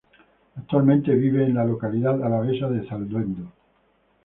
Actualmente vive en la localidad alavesa de Zalduendo.